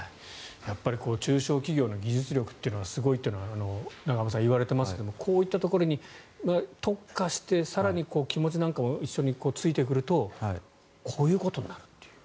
中小企業の技術力がすごいというのは永濱さん、いわれていますがこういうところに特化して更に気持ちなんかも一緒についてくるとこういうことになるという。